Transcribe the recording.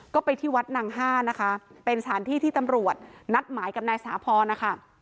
ก็ไปที่วัดนางห้านะคะเป็นสถานที่ที่ตำรวจนัดหมายกับนายสาพรนะคะ